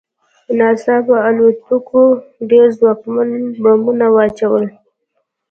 ناڅاپه الوتکو ډېر ځواکمن بمونه واچول